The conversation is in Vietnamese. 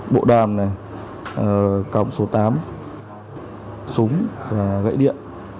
bộ đàm này còng số tám súng và gãy điện